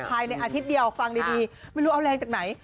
ภายในอาทิตย์เดียวฟังดีไม่รู้เอาแรงจากไหน